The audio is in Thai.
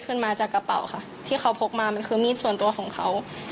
ขึ้นมาจากกระเป๋าค่ะที่เขาพกมามันคือมีดส่วนตัวของเขา